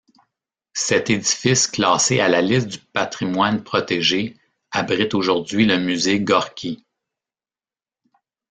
Cet édifice classé à la liste du patrimoine protégé abrite aujourd'hui le musée Gorki.